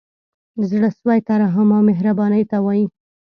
زړه سوی ترحم او مهربانۍ ته وايي.